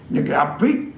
những cái áp vít